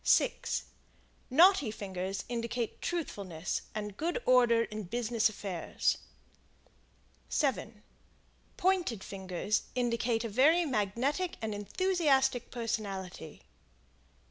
6 Knotty fingers indicate truthfulness and good order in business affairs. 7 Pointed fingers indicate a very magnetic and enthusiastic personality.